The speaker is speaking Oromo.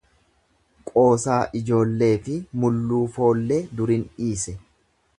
Qoosaa ijoolleefi mulluu foollee durin dhiise.